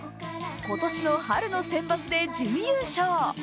今年の春のセンバツで準優勝。